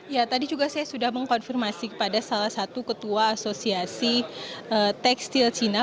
ya tadi juga saya sudah mengkonfirmasi kepada salah satu ketua asosiasi tekstil cina